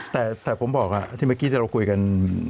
แต่ผมบอกที่เมื่อกี้ที่เราคุยกัน